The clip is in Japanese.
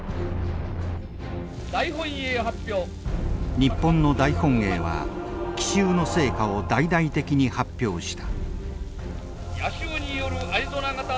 日本の大本営は奇襲の成果を大々的に発表した。